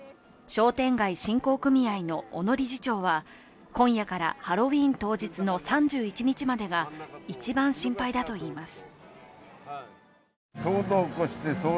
商店街振興組合の小野理事長は今夜からハロウィーン当日の３１日までが一番心配だと言います。